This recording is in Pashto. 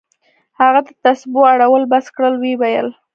هغه د تسبو اړول بس كړل ويې ويل.